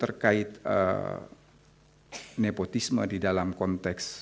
terkait nepotisme di dalam konteks